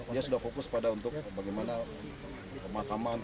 dia sudah fokus pada untuk bagaimana pemakaman